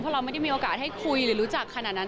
เราไม่ได้มีโอกาสให้คุยหรือรู้จักขนาดนั้น